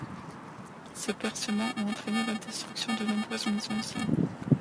Ces percements ont entraîné la destruction de nombreuses maisons anciennes.